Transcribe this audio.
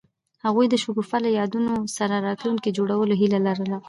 هغوی د شګوفه له یادونو سره راتلونکی جوړولو هیله لرله.